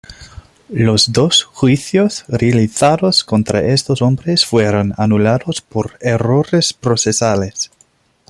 Los dos juicios realizados contra estos hombres fueron anulados por errores procesales.